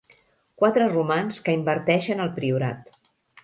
Quatre romans que inverteixen al Priorat.